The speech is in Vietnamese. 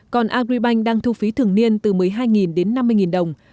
còn agribank đang thu phí thường niên từ một mươi hai đến năm mươi đồng